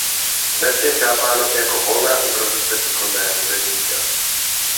Dnes je chápáno i jako volná improvizace výkonného hudebníka.